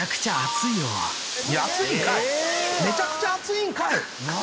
めちゃくちゃ熱いんかい！